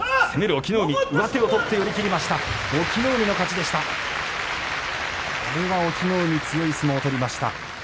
隠岐の海、強い相撲を取りました。